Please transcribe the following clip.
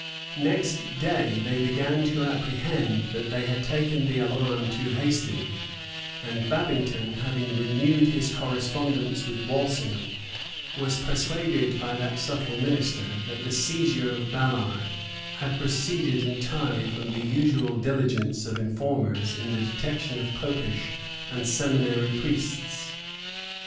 Next day, they began to apprehend that they had taken the alarm too hastily; and Babington, having renewed his correspondence with Walsingham, was persuaded by that subtle minister, that the seizure of Ballard had proceeded entirely from the usual diligence of informers in the detection of popish and seminary priests.